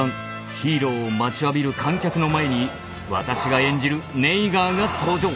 ヒーローを待ちわびる観客の前に私が演じるネイガーが登場！